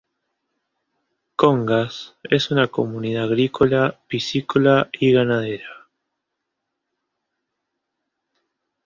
Congas, es una comunidad agrícola, piscícola y ganadera.